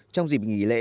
trong dịp nghỉ lễ